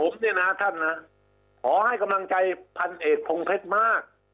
ผมเนี่ยนะท่านนะขอให้กำลังใจพันเอกพงเพชรมาก